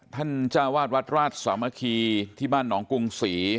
จ้าวาดวัดราชสามัคคีที่บ้านหนองกรุงศรี